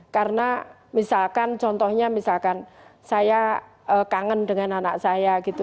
karena misalkan contohnya misalkan saya kangen dengan anak saya gitu